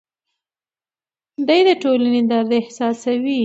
دی د ټولنې درد احساسوي.